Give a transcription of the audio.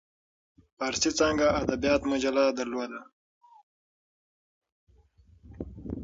فارسي څانګه ادبیات مجله درلوده.